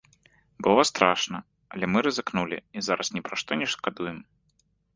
Было страшна, але мы рызыкнулі і зараз ні пра што не шкадуем.